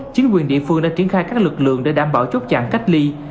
chính quyền địa phương đã triển khai các lực lượng để đảm bảo chốt chặn cách ly